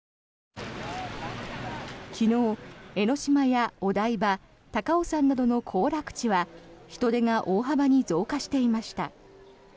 昨日、江の島やお台場高尾山などの行楽地は人出が大幅に増加していました。